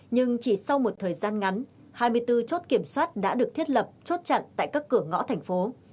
nhưng chỉ sau một thời gian ngắn hai mươi bốn chốt kiểm soát đã được thiết lập chốt chặn tại các cửa ngõ thành phố